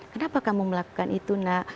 kenapa kamu melakukan itu nak